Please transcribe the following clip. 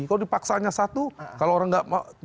kalau dipaksanya satu kalau orang nggak mau